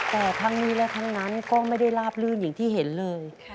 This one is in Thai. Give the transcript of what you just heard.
แต่ทั้งนี้และทั้งนั้นก็ไม่ได้ลาบลื่นอย่างที่เห็นเลย